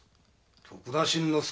徳田新之助？